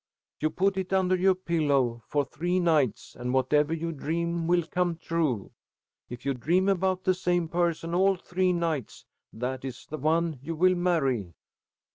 You put it under your pillow for three nights, and whatever you dream will come true. If you dream about the same person all three nights, that is the one you will marry."